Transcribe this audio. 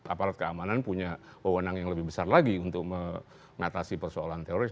aparat keamanan punya wewenang yang lebih besar lagi untuk mengatasi persoalan teroris